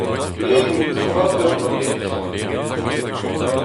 plegañ an tamm paper en doa graet.